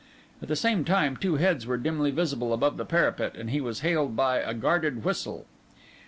At the same time, two heads were dimly visible above the parapet, and he was hailed by a guarded whistle.